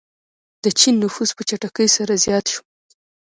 د چین نفوس په چټکۍ سره زیات شو.